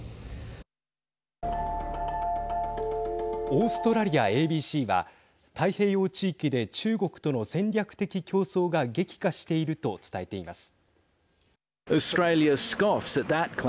オーストラリアＡＢＣは太平洋地域で中国との戦略的競争が激化していると伝えています。